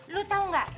lu tahu nggak